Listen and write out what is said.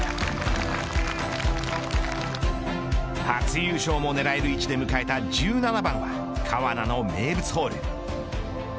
初優勝も狙える位置で迎えた１７番は川奈の名物ホール。